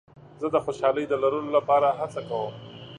زه د خوشحالۍ د لرلو لپاره هڅه کوم.